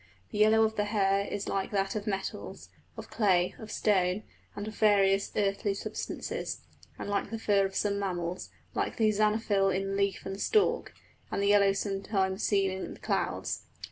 The yellow of the hair is like that of metals, of clay, of stone, and of various earthy substances, and like the fur of some mammals, and like xanthophyll in leaf and stalk, and the yellow sometimes seen in clouds.